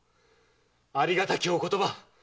ありがたきお言葉。